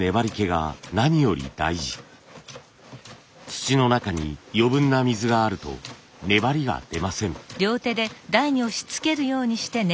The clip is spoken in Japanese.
土の中に余分な水があると粘りが出ません。